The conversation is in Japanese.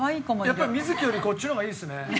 やっぱり瑞木よりこっちの方がいいですね。